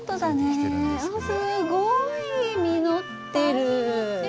すごい実ってる。